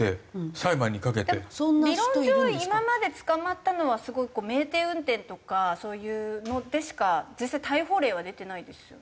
理論上今まで捕まったのはすごいこう酩酊運転とかそういうのでしか実際逮捕例は出てないですよね？